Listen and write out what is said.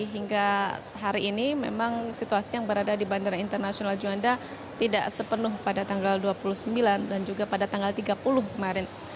hingga hari ini memang situasi yang berada di bandara internasional juanda tidak sepenuh pada tanggal dua puluh sembilan dan juga pada tanggal tiga puluh kemarin